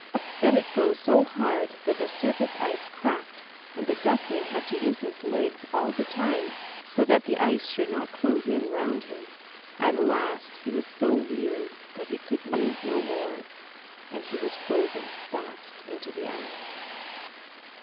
Then it froze so hard that the surface ice cracked, and the duckling had to use his legs all the time, so that the ice should not close in round him; at last he was so weary that he could move no more, and he was frozen fast into the ice.